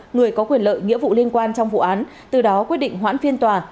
người có quyền lợi nghĩa vụ liên quan trong vụ án từ đó quyết định hoãn phiên tòa